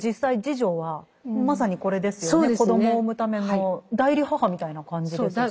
子どもを産むための代理母みたいな感じですし。